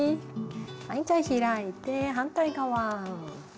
じゃあ開いて反対側。